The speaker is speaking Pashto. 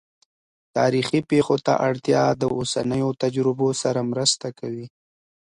تاریخي پېښو ته اړتیا د اوسنیو تجربو سره مرسته کوي.